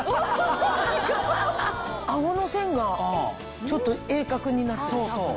顎の線がちょっと鋭角になってる。